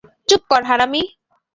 চুপ কর, হারামী।